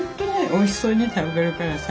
おいしそうに食べるからさ。